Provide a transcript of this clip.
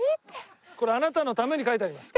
これあなたのために書いてあります。